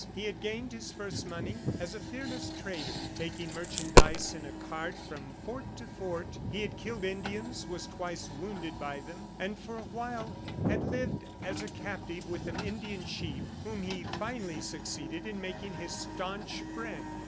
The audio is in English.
He had gained his first money as a fearless trader, taking merchandise in a cart from fort to fort. He had killed Indians, was twice wounded by them, and for a while had lived as a captive with an Indian chief whom he finally succeeded in making his staunch friend.